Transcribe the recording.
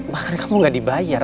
bahkan kamu ga dibayar